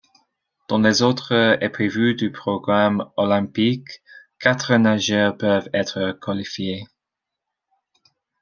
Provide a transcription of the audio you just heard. Dans les autres épreuves du programme olympique, quatre nageurs peuvent être qualifiés.